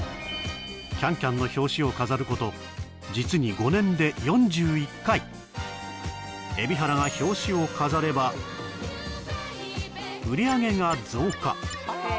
「ＣａｎＣａｍ」の表紙を飾ること実に５年で４１回蛯原が表紙を飾れば売り上げが増加